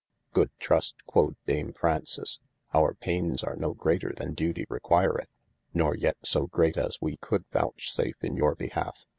Good Trust quod Dame Fraunces, our paynes are no greater than duty requireth, nor yet so great as we could vouchsafe] in your behalfe.